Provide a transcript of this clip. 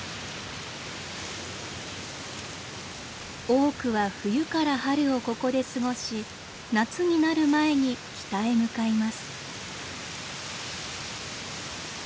多くは冬から春をここで過ごし夏になる前に北へ向かいます。